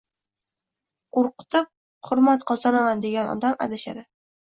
Qo‘rqitib hurmat qozonaman, degan odam adashadi.